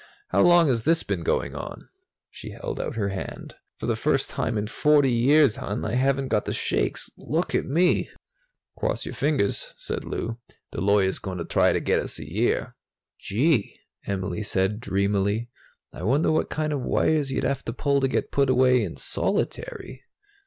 How long has this been going on?" She held out her hand. "For the first time in forty years, hon, I haven't got the shakes look at me!" "Cross your fingers," said Lou. "The lawyer's going to try to get us a year." "Gee!" Em said dreamily. "I wonder what kind of wires you'd have to pull to get put away in solitary?"